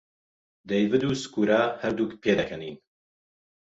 دەیڤد و سکورا هەردووک پێدەکەنین.